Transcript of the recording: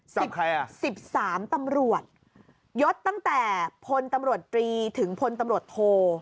จับใครอ่ะ๑๓ตำรวจยศต้องแต่พลตำรวจตรีถึงพลตำรวจโท